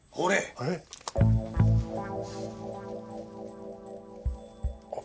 えっ？